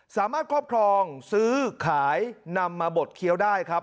ครอบครองซื้อขายนำมาบดเคี้ยวได้ครับ